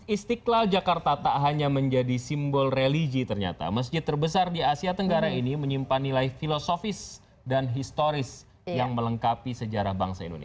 istiqlal jakarta tak hanya menjadi simbol religi ternyata masjid terbesar di asia tenggara ini menyimpan nilai filosofis dan historis yang melengkapi sejarah bangsa indonesia